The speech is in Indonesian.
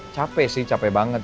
capek sih capek banget